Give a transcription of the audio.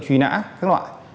truy nã các loại